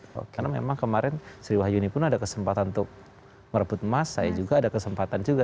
karena memang kemarin sri wahyuni pun ada kesempatan untuk merebut emas saya juga ada kesempatan juga